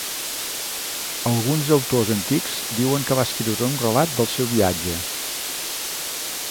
Alguns autors antics diuen que va escriure un relat del seu viatge.